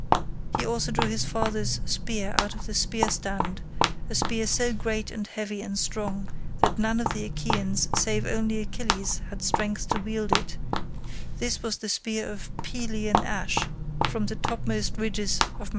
He also drew his father's spear out of the spear stand, a spear so great and heavy and strong that none of the Achaeans save only Achilles had strength to wield it; this was the spear of Pelian ash from the topmost ridges of Mt.